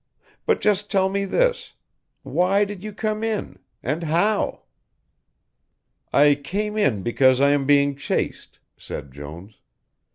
But just tell me this. Why did you come in, and how?" "I came in because I am being chased," said Jones.